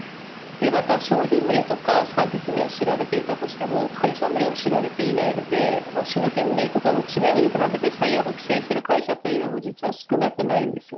また、商品名とかサービス名を知られていたとしても会社名を知られていないので商品名とかの知名度に比べて採用が苦戦する会社も少なくないです。